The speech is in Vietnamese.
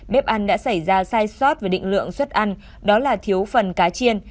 bếp ăn đã xảy ra sai sót về định lượng xuất ăn đó là thiếu phần cá chiên